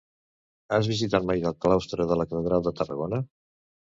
Has visitat mai el claustre de la catedral de Tarragona?